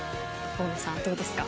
大野さん、どうですか？